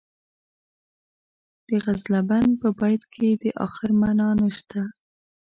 د غزلبڼ په بیت کې د اخر معنا نشته.